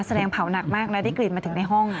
เผาหนักมากแล้วได้กลิ่นมาถึงในห้อง